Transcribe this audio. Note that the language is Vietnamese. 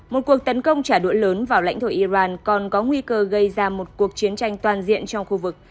một cuộc tấn công trả đũa lớn vào lãnh thổ iran còn có nguy cơ gây ra một cuộc chiến tranh toàn diện trong khu vực